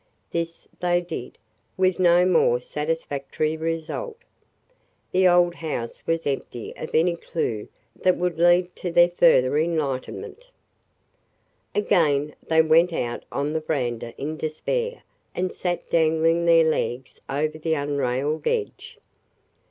This they did, with no more satisfactory result. The old house was empty of any clue that would lead to their further enlightenment. [Facing Page] "But she might have written a note" Again they went out on the veranda in despair and sat dangling their legs over the unrailed edge.